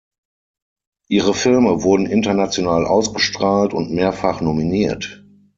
Ihre Filme wurden international ausgestrahlt und mehrfach nominiert.